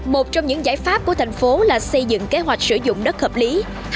một trong những giải pháp của thành phố là xây dựng kế hoạch sử dụng đất hợp lý